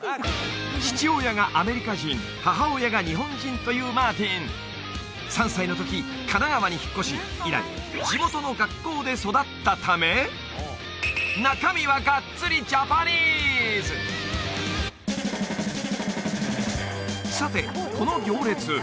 父親がアメリカ人母親が日本人というマーティン３歳の時神奈川に引っ越し以来地元の学校で育ったためさてこの行列